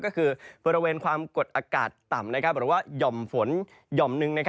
ก็คือบริเวณความกดอากาศต่ำหรือว่าหย่อมฝนหย่อมหนึ่ง